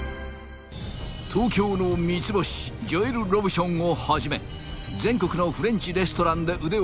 東京の三つ星ジョエル・ロブションをはじめ全国のフレンチレストランで腕を磨く